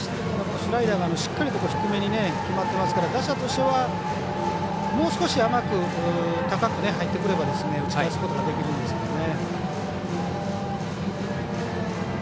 スライダーがしっかりと低めに決まっていますから打者としては、もう少し甘く高く入ってくれば打ち崩すことができるんですけどね。